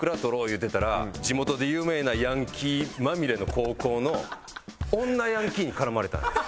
言うてたら地元で有名なヤンキーまみれの高校の女ヤンキーに絡まれたんです。